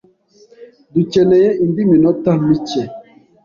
Dukeneye indi minota mike.